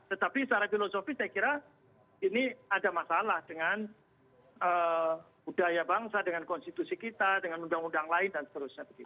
tetapi secara filosofi saya kira ini ada masalah dengan budaya bangsa dengan konstitusi kita dengan undang undang lain dan seterusnya